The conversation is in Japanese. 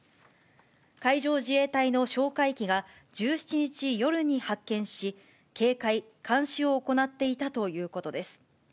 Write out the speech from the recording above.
海上自衛隊の哨戒機が１７日夜に発見し、警戒、監視を行っていたということです。